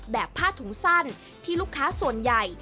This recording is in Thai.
ผ้าถุงสั้นที่ลูกค้าส่วนใหญ่